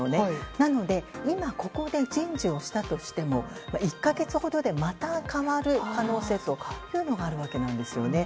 なので、今ここで人事をしたとしても１か月ほどでまた代わる可能性があるんですね。